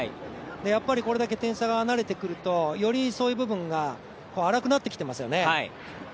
やっぱり、これだけ点差が離れてくるとよりそういう部分が荒くなってきますよね。